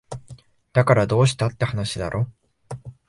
だからどうしたって話だろ